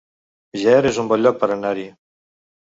Ger es un bon lloc per anar-hi